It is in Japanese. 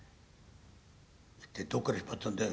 一体どっから引っ張ったんだよ？